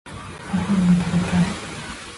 ご飯が食べたい